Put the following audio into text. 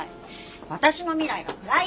私の未来が暗い！